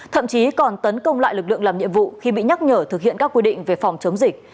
thậm chí còn tấn công lại lực lượng làm nhiệm vụ khi bị nhắc nhở thực hiện các quy định về phòng chống dịch